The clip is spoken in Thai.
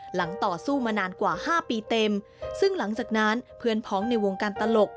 ต่อสู้มานานกว่าห้าปีเต็มซึ่งหลังจากนั้นเพื่อนพ้องในวงการตลก